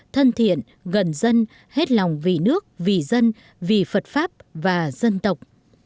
thân thiện gần dân hết lòng vì nước vì dân vì phật pháp và dân tộc